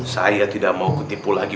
saya tidak mau ketipu lagi